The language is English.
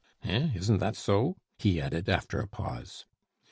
Hein! isn't that so?" he added after a pause.